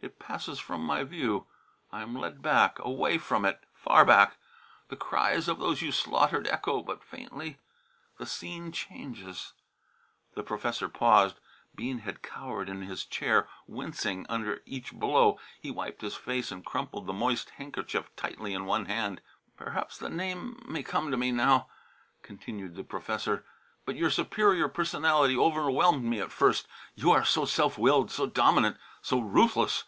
It passes from my view. I am led back, away from it far back the cries of those you slaughtered echo but faintly the scene changes " The professor paused. Bean had cowered in his chair, wincing under each blow. He wiped his face and crumpled the moist handkerchief tightly in one hand. "Perhaps the name may come to me now," continued the professor. "But your superior personality overwhelmed me at first; you are so self willed, so dominant, so ruthless.